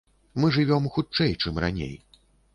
Мы жывём хутчэй, чым раней.